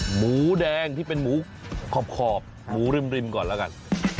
หมูแดงที่เป็นหมูขอบหมูริมก่อนแล้วกัน